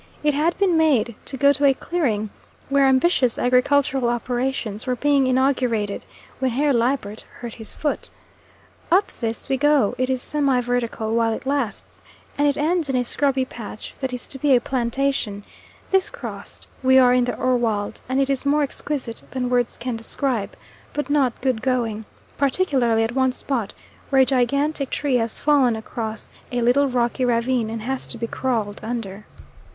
It had been made to go to a clearing, where ambitious agricultural operations were being inaugurated, when Herr Liebert hurt his foot. Up this we go, it is semi vertical while it lasts, and it ends in a scrubby patch that is to be a plantation; this crossed we are in the Urwald, and it is more exquisite than words can describe, but not good going, particularly at one spot where a gigantic tree has fallen down across a little rocky ravine, and has to be crawled under.